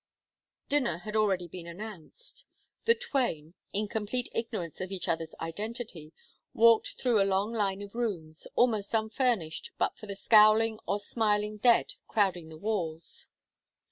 Dinner had already been announced. The twain, in complete ignorance of each other's identity, walked through a long line of rooms, almost unfurnished but for the scowling or smiling dead crowding the walls.